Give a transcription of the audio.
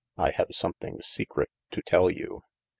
I have something secret to tell you."